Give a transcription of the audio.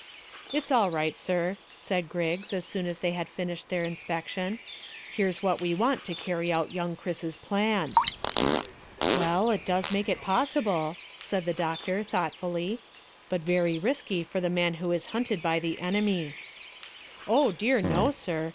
"It's all right, sir," said Griggs, as soon as they had finished their inspection. "Here's what we want to carry out young Chris's plan." "Well, it does make it possible," said the doctor thoughtfully, "but very risky for the man who is hunted by the enemy." "Oh dear no, sir.